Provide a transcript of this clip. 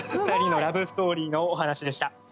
２人のラブストーリーのお話でした。